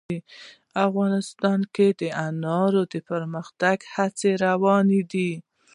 افغانستان کې د انار د پرمختګ هڅې روانې دي.